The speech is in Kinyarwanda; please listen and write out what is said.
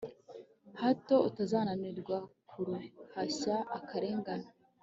hato utazananirwa guhashya akarengane